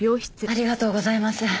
ありがとうございます。